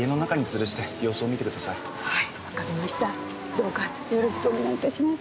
どうかよろしくお願い致します。